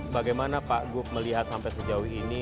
bagaimana pak gup melihat sampai sejauh ini